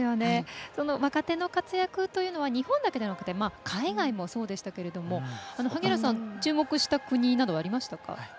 その若手の活躍というのは日本だけでなくて海外もそうでしたけれども萩原さん、注目した国などはありましたか？